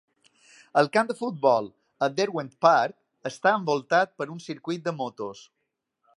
El camp de futbol a Derwent Park està envoltat per un circuit de motos.